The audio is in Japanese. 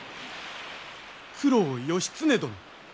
九郎義経殿。